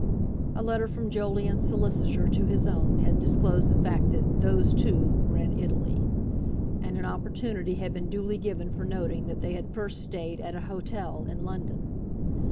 A letter from Jolyon's solicitor to his own had disclosed the fact that "those two" were in Italy. And an opportunity had been duly given for noting that they had first stayed at an hotel in London.